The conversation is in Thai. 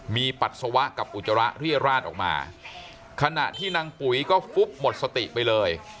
มีปัสสาวะกับอุจจาระเรียราชออกมาขณะที่นางปุ๋ยก็ฟุบหมดสติไปเลย